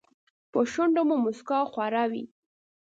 په شونډو مو موسکا خوره وي .